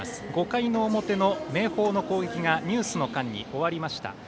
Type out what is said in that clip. ５回の表の明豊の攻撃がニュースの間に終わりました。